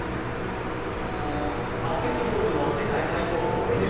バスケットボールの世界最高峰ＮＢＡ。